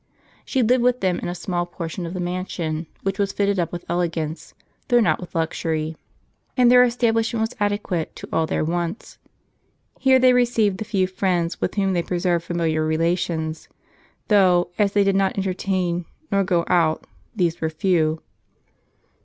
She lived with them in a small portion of the mansion, which was fitted up with elegance, though not with luxury; and their establishment was adequate to all their wants. Here they received the few friends with whom they preserved familiar relations ; though, as they did not entertain, nor go out, these were few.